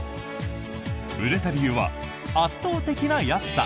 売れた理由は圧倒的な安さ。